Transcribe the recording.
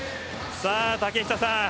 さあ、竹下さん。